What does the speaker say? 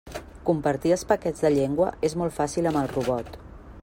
Compartir els paquets de llengua és molt fàcil amb el robot.